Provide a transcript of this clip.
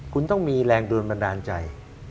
คุณต้องมีแรงโดนบันดาลใจ